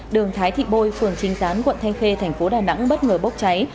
đường thái thị bôi phường trinh gián quận thanh khê thành phố đà nẵng bất ngờ bốc cháy